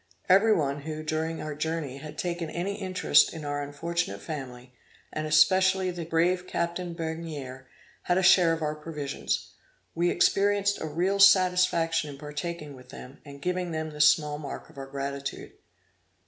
Every one, who, during our journey, had taken any interest in our unfortunate family, and especially the brave Captain Begnere, had a share of our provisions. We experienced a real satisfaction in partaking with them, and giving them this small mark of our gratitude.